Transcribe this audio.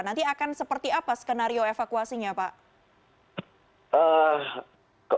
nanti akan seperti apa skenario evakuasinya pak